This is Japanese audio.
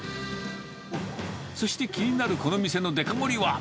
そして気になるこの店のデカ盛りは。